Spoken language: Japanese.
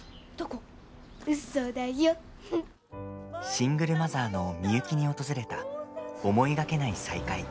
シングルマザーのミユキに訪れた思いがけない再会。